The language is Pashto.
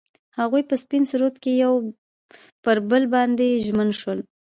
هغوی په سپین سرود کې پر بل باندې ژمن شول.